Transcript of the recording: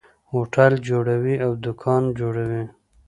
هوټل جوړوي او دکان جوړوي.